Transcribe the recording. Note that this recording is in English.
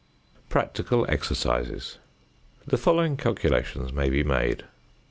PRACTICAL EXERCISES. The following calculations may be made: 1.